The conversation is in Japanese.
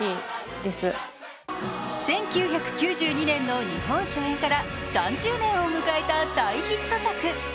１９９２年の日本初演から３０年を迎えた大ヒット作。